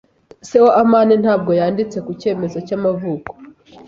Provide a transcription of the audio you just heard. Se wa amani ntabwo yanditse ku cyemezo cy'amavuko.